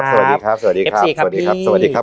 สวัสดีครับสวัสดีครับสวัสดีครับสวัสดีครับ